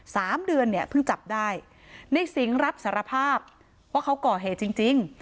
สามเดือนเนี่ยเพิ่งจับได้ในสิงห์รับสารภาพว่าเขาก่อเหตุจริงจริง